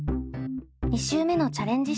２週目のチャレンジ